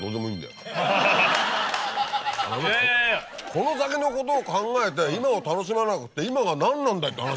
この先のことを考えて今を楽しまなくて今が何なんだよって話！